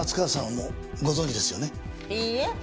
いいえ。